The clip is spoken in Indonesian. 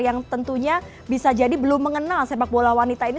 yang tentunya bisa jadi belum mengenal sepak bola wanita ini